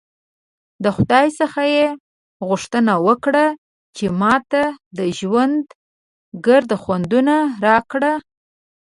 د خدای څخه ېې غوښتنه وکړه چې ماته د ژوند ګرده خوندونه راکړه!